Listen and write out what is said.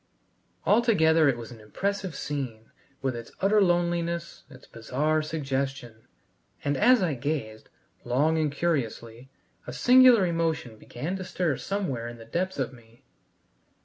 Altogether it was an impressive scene, with its utter loneliness, its bizarre suggestion; and as I gazed, long and curiously, a singular emotion began stir somewhere in the depths of me.